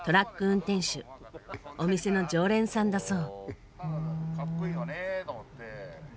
お店の常連さんだそう。